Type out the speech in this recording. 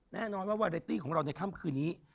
แน่นอนว่าวาเรตตี้ของเราในค่ำคืนนี้